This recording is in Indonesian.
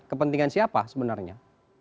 kepentingan siapa sebenarnya